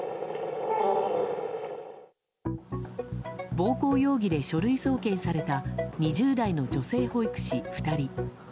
暴行容疑で書類送検された２０代の女性保育士２人。